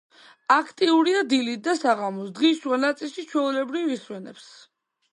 აქტიურია დილით და საღამოს, დღის შუა ნაწილში ჩვეულებრივ ისვენებს.